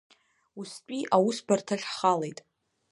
Устәи аусбарҭахь ҳхалеит.